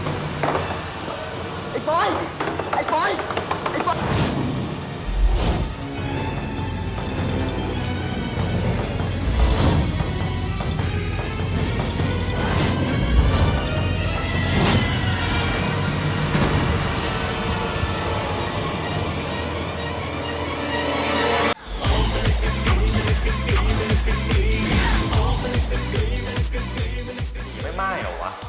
จัดเต็มให้เลย